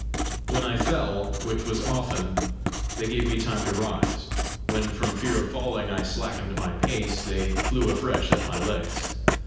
When I fell, which was often, they gave me time to rise; when from fear of falling I slackened my pace, they flew afresh at my legs.